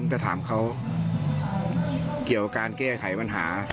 จะถามเขาเกี่ยวกับการแก้ไขปัญหา